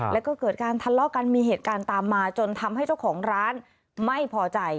แล้วก็เกิดการทะเลาะกันมีเหตุการณ์ตามมาจนทำให้เจ้าของร้านไม่พอใจ